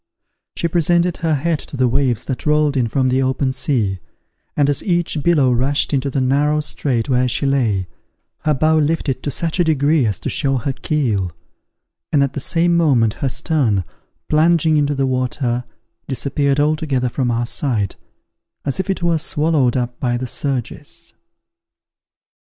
She presented her head to the waves that rolled in from the open sea, and as each billow rushed into the narrow strait where she lay, her bow lifted to such a degree as to show her keel; and at the same moment her stern, plunging into the water, disappeared altogether from our sight, as if it were swallowed up by the surges.